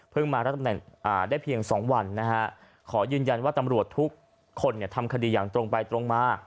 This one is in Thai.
เพิ่งมาแล้วแถมแท้งได้เพียง๒วันขอยืนยันว่าตำรวจทุกคนทำคดีอย่างตรงไปตรงมา